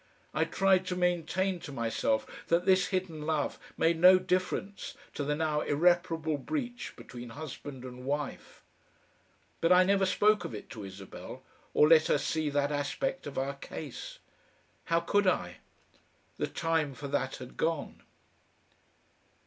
I tried to maintain to myself that this hidden love made no difference to the now irreparable breach between husband and wife. But I never spoke of it to Isabel or let her see that aspect of our case. How could I? The time for that had gone....